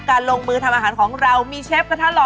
ลงมือทำอาหารของเรามีเชฟกระทะหล่อ